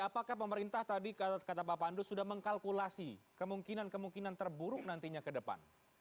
apakah pemerintah tadi kata pak pandu sudah mengkalkulasi kemungkinan kemungkinan terburuk nantinya ke depan